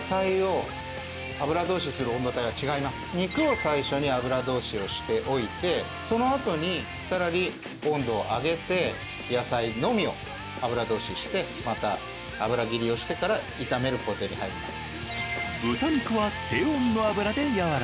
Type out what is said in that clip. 肉を最初に油通しをしておいてそのあとにさらに温度を上げて野菜のみを油通ししてまた油切りをしてから炒める工程に入ります。